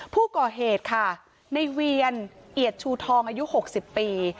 ผู้ก่อเหตุค่ะในเวียนเอียดชูทองอายุ๖๐ปี